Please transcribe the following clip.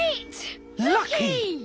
「ラッキー」だ！